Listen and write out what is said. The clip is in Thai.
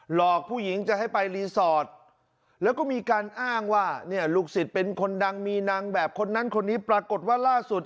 หลอกผู้หญิงจะให้ไปรีสอร์ทแล้วก็มีการอ้างว่าเนี่ยลูกศิษย์เป็นคนดังมีนางแบบคนนั้นคนนี้ปรากฏว่าล่าสุด